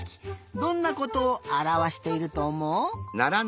どんなことをあらわしているとおもう？